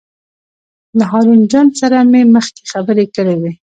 له هارون جان سره مې مخکې خبرې کړې وې.